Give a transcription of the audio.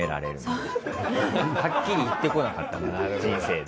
はっきり言ってこなかったから人生で。